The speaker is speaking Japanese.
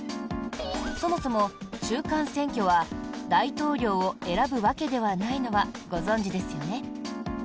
そもそも中間選挙は大統領を選ぶわけではないのはご存じですよね？